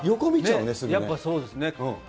やっぱそうですね。